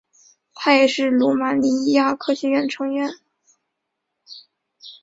他也是罗马尼亚科学院成员。